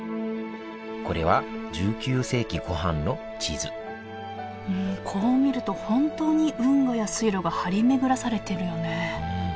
これは１９世紀後半の地図こう見ると本当に運河や水路が張り巡らされてるよね